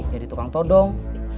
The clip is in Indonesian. jadi tukang todong